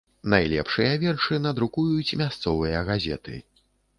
Найлепшыя вершы надрукуюць мясцовыя газеты.